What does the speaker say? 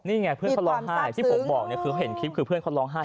นี่ไงเพื่อนเขาร้องไห้ที่ผมบอกเนี่ยคือเห็นคลิปคือเพื่อนเขาร้องไห้